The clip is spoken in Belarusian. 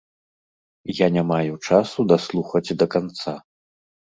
Я не маю часу даслухаць да канца.